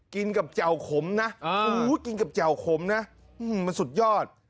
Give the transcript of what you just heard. กินกับแจ่วขมนะกินกับแจ่วขมนะมันสุดยอด